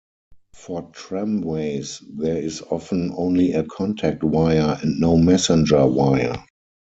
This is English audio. For tramways there is often only a contact wire and no messenger wire.